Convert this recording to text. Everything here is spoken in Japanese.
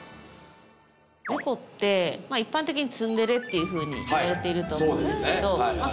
猫ってまあ一般的にツンデレっていうふうに言われていると思うんですけどはいそうですね